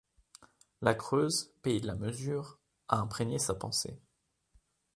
La Creuse, pays de la mesure, a imprégné sa pensée.